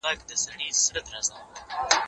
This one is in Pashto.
زه هره ورځ کتابونه لولم،